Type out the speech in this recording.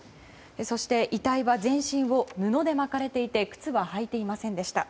そして、遺体は全身を布で巻かれていて靴は履いていませんでした。